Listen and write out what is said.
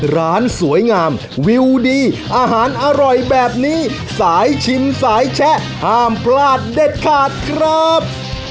ร้านสวยงามวิวดีอาหารอร่อยแบบนี้สายชิมสายแชะห้ามพลาดเด็ดขาดครับ